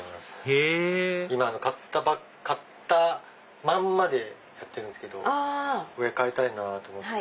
へぇ今買ったまんまでやってるんですけど植え替えたいなと思って。